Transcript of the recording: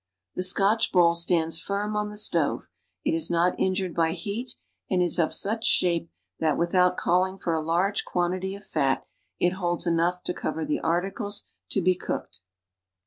The Scotch bowl stands firm on the stove, it is not injured bv heat, and is of such shape that, wdhout callnig for a large quantity of fat, it holds enough to cover the articles to be cooked.